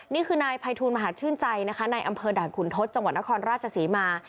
นี่คือนายภัยทูลมหาชื่นใจนะคะในอำเภอด่านขุนทศจังหวัดนครราชศรีมา